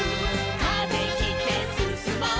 「風切ってすすもう」